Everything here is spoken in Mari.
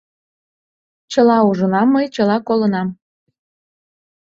Чыла ужынам мый, чыла колынам.